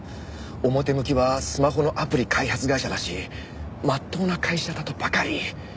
表向きはスマホのアプリ開発会社だしまっとうな会社だとばかり。